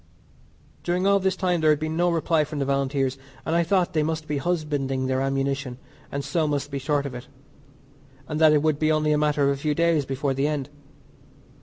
During all this time there had been no reply from the Volunteers, and I thought they must be husbanding their ammunition, and so must be short of it, and that it would be only a matter of a few days before the end.